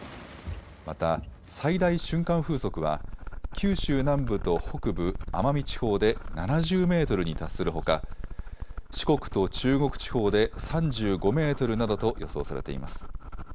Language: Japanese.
また最大瞬間風速は九州南部と北部、奄美地方で７０メートルに達するほか四国と中国地方で３５メートルなどと予想されています。